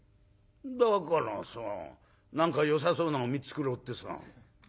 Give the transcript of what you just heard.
「だからさ何かよさそうなの見繕ってさ」。